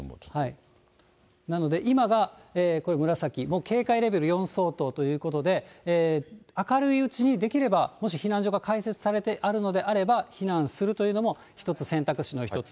なので、今がこれ、紫、警戒レベル４相当ということで、明るいうちに、できれば、もし避難所が開設されてあるのであれば、避難するというのも一つ、選択肢の一つ。